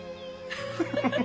フフフフ。